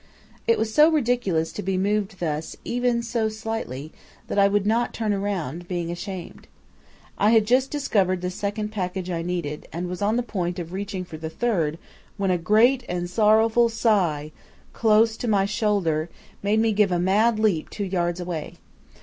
It was so ridiculous to be moved thus even so slightly, that I would not turn round, being ashamed. I had just discovered the second package I needed, and was on the point of reaching for the third, when a great and sorrowful sigh, close to my shoulder, made me give a mad leap two yards away.